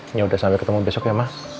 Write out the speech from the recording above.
ini udah sampai ketemu besok ya mas